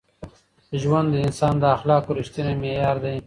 ژوند د انسان د اخلاقو رښتینی معیار دی.